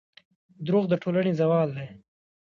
دروغ د ټولنې زوال دی.